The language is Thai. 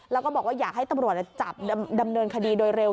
แล้วก็บอกว่าอยากให้ตำรวจจับดำเนินคดีโดยเร็ว